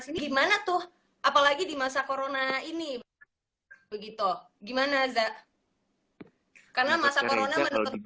sih gimana tuh apalagi di masa corona ini begitu gimana za karena masaello did